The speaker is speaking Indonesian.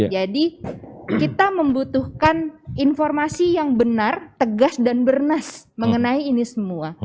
jadi kita membutuhkan informasi yang benar tegas dan bernas mengenai ini semua